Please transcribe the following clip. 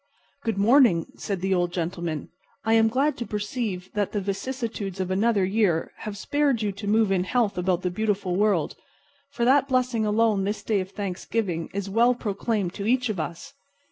"Good morning," said the Old Gentleman. "I am glad to perceive that the vicissitudes of another year have spared you to move in health about the beautiful world. For that blessing alone this day of thanksgiving is well proclaimed to each of us.